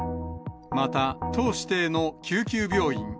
また、都指定の救急病院